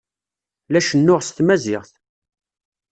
La cennuɣ s tmaziɣt.